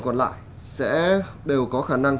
còn lại sẽ đều có khả năng